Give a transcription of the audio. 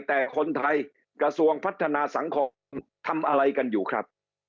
แต่คนไทยกระทรวงพัฒนาสังคมทำอะไรกันอยู่ครับ